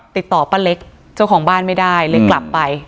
ติดต่อป้าเล็กเจ้าของบ้านไม่ได้เลยกลับไป